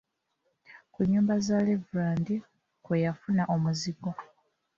Ku nnyumba za levirand kwe yafuna omuzigo.